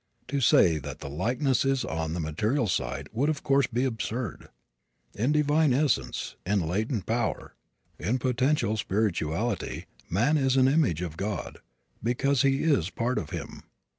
To say that the likeness is on the material side would, of course, be absurd. In divine essence, in latent power, in potential spirituality, man is an image of God, because he is a part of Him.